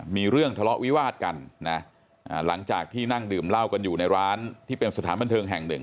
มีเรื่องทะเลาะวิวาดกันนะหลังจากที่นั่งดื่มเหล้ากันอยู่ในร้านที่เป็นสถานบันเทิงแห่งหนึ่ง